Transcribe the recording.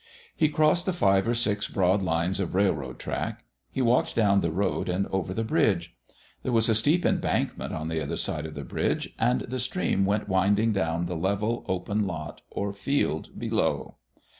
He crossed the five or six broad lines of railroad track. He walked down the road and over the bridge. There was a steep embankment on the other side of the bridge, and the stream went winding down the level, open lot or field below.